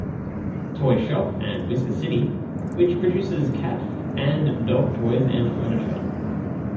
"Toy Shoppe" and "Whisker City" which produces cat and dog toys and furniture.